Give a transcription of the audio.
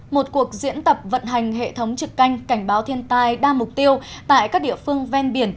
một cuộc diễn tập vận hành hệ thống trực canh cảnh báo thiên tai đa mục tiêu tại các địa phương ven biển